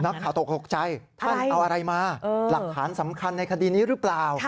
นักข่าวตกหกใจท่านเอาอะไรมาหลักฐานสำคัญในคดีนี้หรือเปล่า